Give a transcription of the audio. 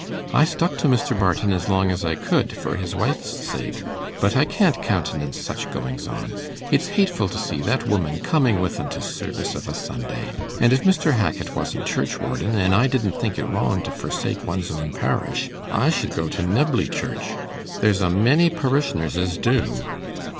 I stuck to Mr. Barton as long as I could, for his wife's sake; but I can't countenance such goings on. It's hateful to see that woman coming with 'em to service of a Sunday, and if Mr. Hackit wasn't churchwarden and I didn't think it wrong to forsake one's own parish, I should go to Knebley Church. There's a many parish'ners as do.